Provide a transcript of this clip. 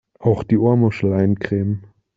Auch die Ohrmuschel eincremen!